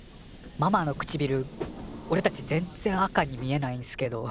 ママの唇おれたち全然赤に見えないんすけど。